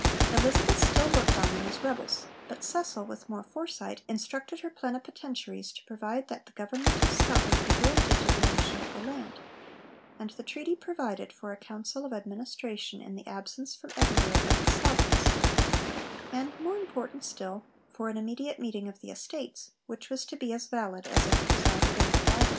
Elizabeth still looked on them as rebels; but Cecil, with more foresight, instructed her plenipotentiaries to provide 'that the government of Scotland be granted to the nation of the land'; and the treaty provided for a Council of Administration in the absence from Edinburgh of the Sovereigns, and more important still for an immediate meeting of the Estates, which was to be as valid as if presided over by them.